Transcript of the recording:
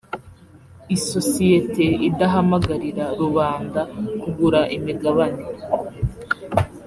isosiyete idahamagarira rubanda kugura imigabane